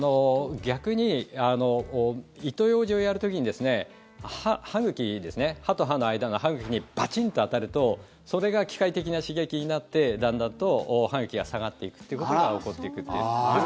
逆に糸ようじをやる時に歯と歯の間の歯茎にバチンと当たるとそれが機械的な刺激になってだんだんと歯茎が下がっていくということが起こっていく。